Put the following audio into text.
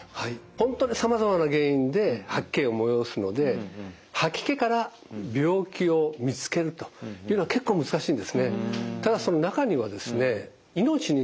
本当にさまざまな原因で吐き気をもよおすので吐き気から病気を見つけるというのは結構難しいんですね。